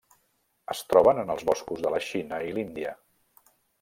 Es troben en els boscos de la Xina i l'Índia.